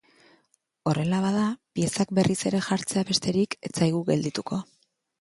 Horrela bada, piezak berriz ere jartzea besterik ez zaigu geldituko.